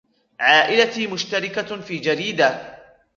عائلتي مشتركة في جريدة.